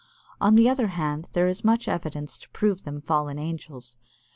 On the other hand, there is much evidence to prove them fallen angels.